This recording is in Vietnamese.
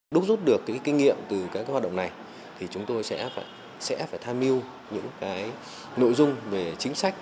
đúc rút được cái kinh nghiệm từ cái hoạt động này thì chúng tôi sẽ phải tham mưu những cái nội dung về chính sách